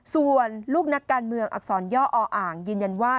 ส่วนลูกนักการเมืองอักษรย่ออ่างยืนยันว่า